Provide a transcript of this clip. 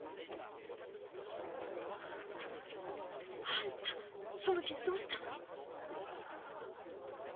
あんたその傷どうしたの！？